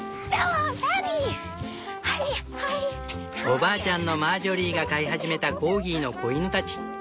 おばあちゃんのマージョリーが飼い始めたコーギーの子犬たち。